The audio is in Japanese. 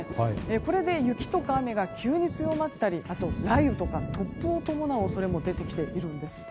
これで雪とか雨が急に強まったりあとは雷雨とか突風を伴う恐れも出てきているんです。